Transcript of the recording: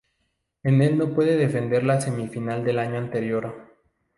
En el no puede defender la semifinal del año anterior.